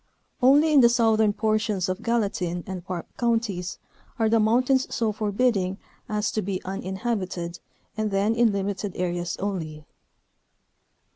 Only in the southern portions of Gallatin and Park Counties are the mountains so forbidding as to be uninhab ited, and then in limited areas only.